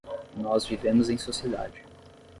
Nós vivemos em sociedade.